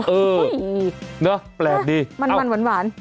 เออเนอะแปลกดีมันหวาน